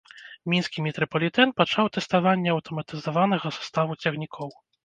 Мінскі метрапалітэн пачаў тэставанне аўтаматызаванага саставу цягнікоў.